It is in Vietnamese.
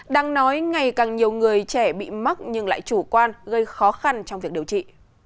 đang nói ngày càng nhiều người trẻ bị mắc nhưng lại chủ quan gây khó khăn trong việc điều trị